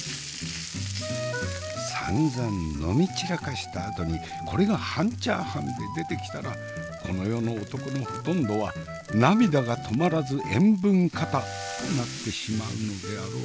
さんざん飲み散らかしたあとにこれが半チャーハンで出てきたらこの世の男のほとんどは涙が止まらず塩分過多となってしまうのであろうなあ。